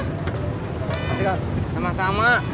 masih gak sama sama